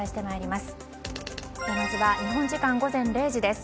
まずは日本時間午前０時です。